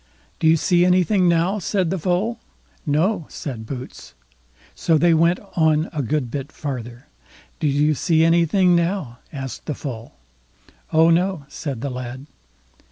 "Do you see anything now", said the Foal. "No", said Boots. So they went on a good bit farther. "Do you see anything now?" asked the Foal. "Oh no", said the lad.